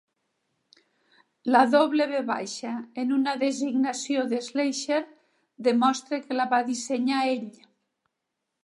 La "W" en una designació de Schleicher demostra que la va dissenyar ell.